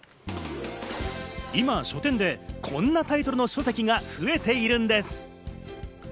今、書店でこんなタイトルの書籍が増えているんです。